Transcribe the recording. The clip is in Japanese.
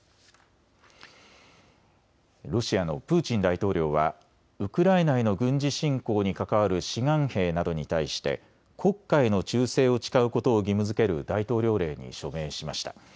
ロシアのプーチン大統領はウクライナへの軍事侵攻に関わる志願兵などに対して国家への忠誠を誓うことを義務づける大統領令に署名しました。